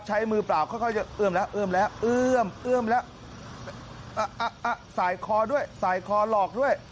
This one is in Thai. ใช้มือเปล่าค่อยเอื่อมแล้วสายคอล็อกด้วย